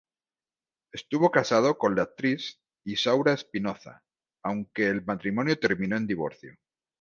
Estuvo casado con la actriz Isaura Espinoza, aunque el matrimonio terminó en divorcio.